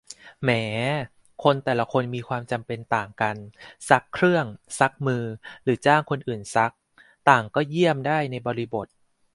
แหม คนแต่ละคนมีความจำเป็นต่างกัน ซักเครื่อง ซักมือ หรือจ้างคนอื่นซัก ต่างก็ 'เยี่ยม' ได้ในบริบท